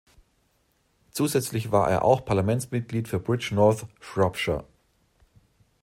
Zusätzlich war er auch Parlamentsmitglied für Bridgnorth, Shropshire.